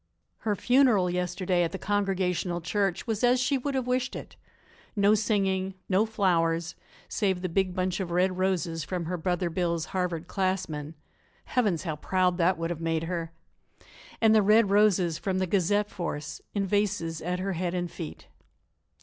Her funeral yesterday at the Congregational Church was as she would have wished it; no singing, no flowers save the big bunch of red roses from her Brother Bill's Harvard classmen Heavens, how proud that would have made her! and the red roses from the Gazette force in vases at her head and feet.